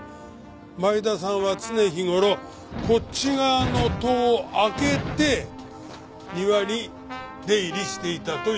前田さんは常日頃こっち側の戸を開けて庭に出入りしていたという事だ。